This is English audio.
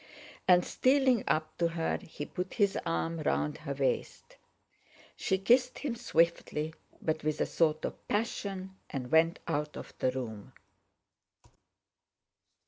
And, stealing up to her, he put his arm round her waist. She kissed him swiftly, but with a sort of passion, and went out of the room.